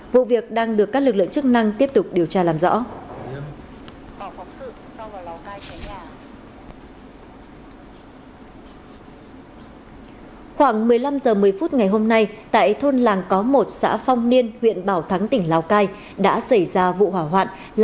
vụ việc đang được các lực lượng chức năng tiếp tục điều tra làm rõ